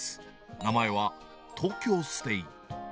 名前は東京ステイ。